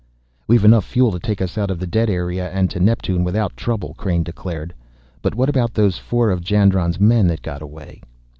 "We've enough fuel to take us out of the dead area and to Neptune without trouble!" Crain declared. "But what about those four of Jandron's men that got away?"